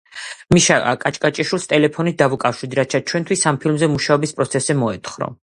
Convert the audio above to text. მიშა კაჭკაჭიშვილს ტელეფონით დავუკავშირდით, რათა ჩვენთვის ამ ფილმზე მუშაობის პროცესზე მოეთხრო.